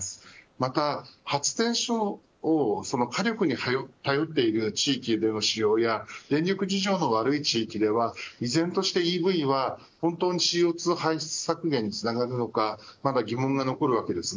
また、発電所を火力に頼っている地域での使用や電力事情の悪い地域では依然としてＥＶは本当にＣＯ２排出削減につながるのかまだ疑問が残るわけです。